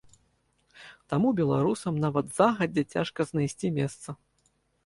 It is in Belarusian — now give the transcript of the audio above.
Таму беларусам нават загадзя цяжка знайсці месца.